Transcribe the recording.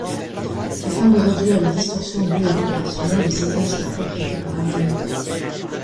Afin de réduire les distorsions dues aux vibrations, les images sont retraitées par ordinateur.